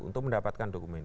untuk mendapatkan dokumen